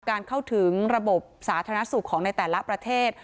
เข้าถึงระบบสาธารณสุขของในแต่ละประเทศ